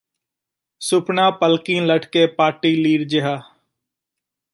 ਸੁਪਨਾ ਪਲਕੀਂ ਲਟਕੇ ਪਾਟੀ ਲੀਰ ਜੇਹਾ